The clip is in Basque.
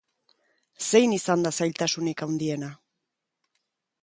Zein izan da zailtasunik handiena?